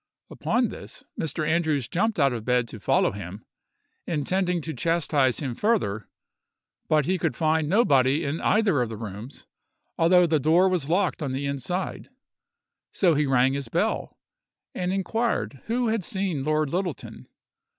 Upon this, Mr. Andrews jumped out of bed to follow him, intending to chastise him further, but he could find nobody in either of the rooms, although the door was locked on the inside; so he rang his bell, and inquired who had seen Lord Littleton.